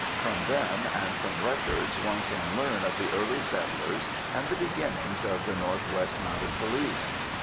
From them, and from records, one can learn of the early settlers and the beginnings of the North West Mounted Police.